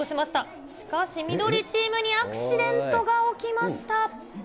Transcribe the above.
しかし緑チームにアクシデントが起きました。